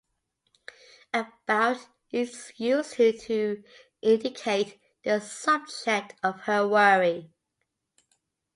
"About" is used to indicate the subject of her worry.